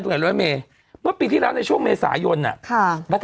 ตรงไหนเราอะเมว่าปีที่ในช่วงเมสายทำอะค่ะทางนี้